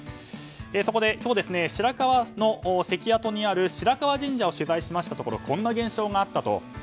そこで今日、白河関跡にある白河神社を取材したところこんな現象があったと。